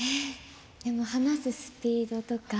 話すスピードとか。